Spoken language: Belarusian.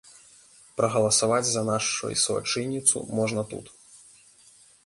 Прагаласаваць за нашай суайчынніцу можна тут.